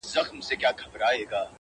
د کلې خلگ به دي څه ډول احسان ادا کړې ـ